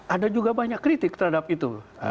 ada juga banyak kritik terhadap itu